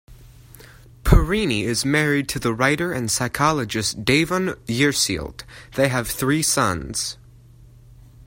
Parini is married to the writer and psychologist Devon Jersild; they have three sons.